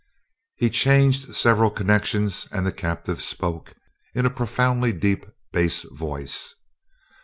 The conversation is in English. He changed several connections and the captive spoke, in a profoundly deep bass voice.